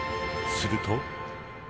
すると。